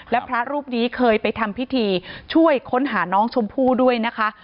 และพระรูปนี้เคยไปทำพิธีช่วยค้นหาน้องชมพู่ด้วยนะคะ